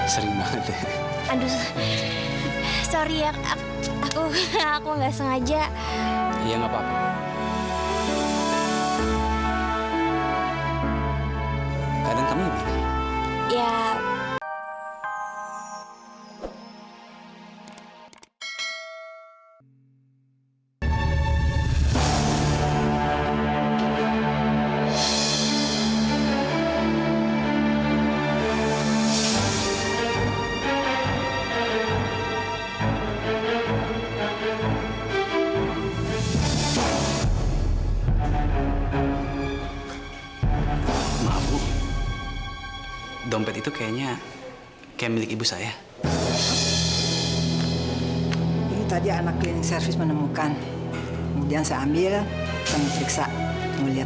sampai jumpa di video selanjutnya